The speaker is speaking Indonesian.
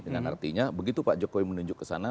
dengan artinya begitu pak jokowi menunjuk kesana